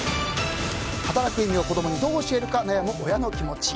働く意味を子供にどう教えるか悩む親の気持ち。